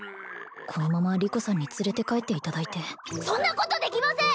このままリコさんに連れて帰っていただいてそんなことできません！